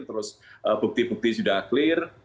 terus bukti bukti sudah clear